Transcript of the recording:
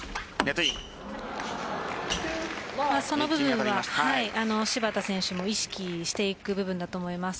その部分は芝田選手も意識していく部分だと思います。